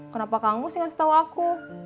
kenapa kang mus yang ngasih tau aku